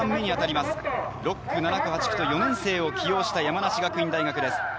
６区・７区・８区と４年生を起用した山梨学院大学です。